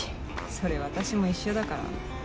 それ私も一緒だから。